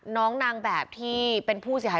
น้องนางแบบที่เป็นผู้เสียหาย